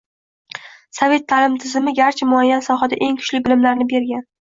Sovet taʼlim tizimi garchi muayyan sohada eng kuchli bilimlarni bergan